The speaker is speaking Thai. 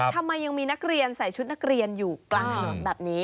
ทำไมยังมีนักเรียนใส่ชุดนักเรียนอยู่กลางถนนแบบนี้